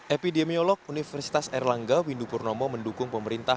epidemiolog universitas erlangga windupurnomo mendukung pemerintah